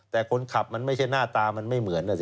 แต่คนขับมันไม่ใช่หน้าตามันไม่เหมือนนะสิ